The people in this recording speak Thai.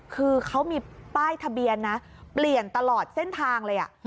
คือเขามีป้ายทะเบียนนะเปลี่ยนตลอดเส้นทางเลย